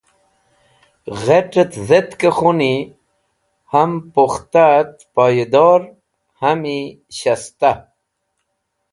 Ghẽt̃et dhetkẽ khũni ham pukhtat poydor hami shasta.